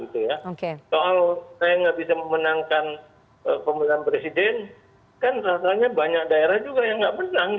soal saya nggak bisa memenangkan pemilihan presiden kan rasanya banyak daerah juga yang nggak menang